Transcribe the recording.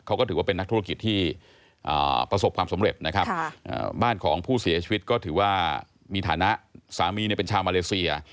เขาก็ถือว่าเป็นนักธุรกิจที่ประสบความสำเร็จนะครับบ้านของผู้เสียชีวิตก็ถือว่ามีฐานะสามีเนี่ยเป็นชาวมาเลเซีย